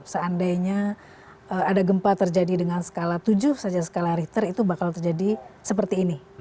seandainya ada gempa terjadi dengan skala tujuh saja skala richter itu bakal terjadi seperti ini